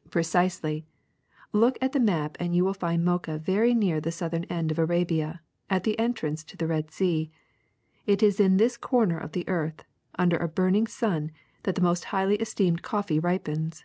''Precisely. Look at the map and you will find Mocha very near the southern end of Arabia, at the entrance to the Red Sea. It is in this comer of the earth, under a burning sun, that the most highly esteemed coffee ripens.